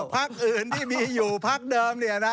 ภาคอินที่มีอยู่ภาคเดิมเนี่ยนะ